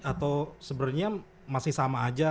atau sebenarnya masih sama aja